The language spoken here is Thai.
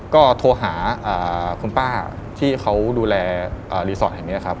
ก็โทรหาคุณป้าที่เขาดูแลรีสอร์ทแห่งนี้ครับ